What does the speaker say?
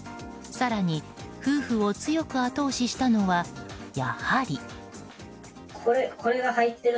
更に、夫婦を強く後押ししたのはやはり。